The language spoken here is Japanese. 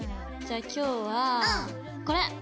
じゃあ今日はこれ！